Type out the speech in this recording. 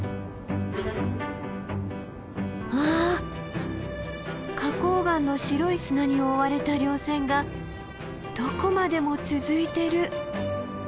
わあ花崗岩の白い砂に覆われた稜線がどこまでも続いてる。